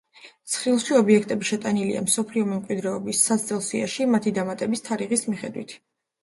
ცხრილში ობიექტები შეტანილია მსოფლიო მემკვიდრეობის საცდელ სიაში მათი დამატების თარიღის მიხედვით.